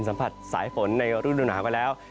สัมผัสสายฝนในรุ่นดุหนาไปแล้ว